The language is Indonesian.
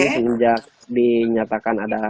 sejak dinyatakan ada